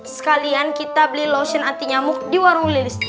sekalian kita beli lotion anti nyamuk di warung lilis